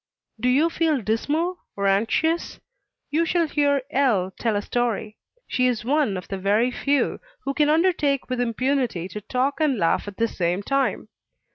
Do you feel dismal, or anxious? You should hear L. tell a story. She is one of the very few who can undertake with impunity to talk and laugh at the same time.